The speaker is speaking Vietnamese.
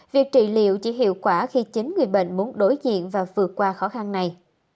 việc trị liệu chỉ hiệu quả khi chính người bệnh muốn đối diện và vượt qua khó khăn này